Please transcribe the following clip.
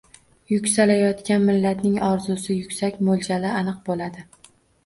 Yuksalayotgan millatning orzusi yuksak, mo‘ljali aniq bo‘ladi